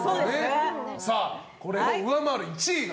さあこれを上回る１位が。